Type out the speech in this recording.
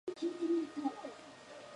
残すところ約